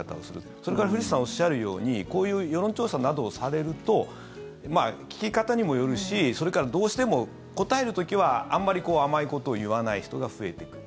それから古市さんおっしゃるようにこういう世論調査などをされると聞き方にもよるしそれからどうしても答える時はあまり甘いことを言わない人が増えてくる。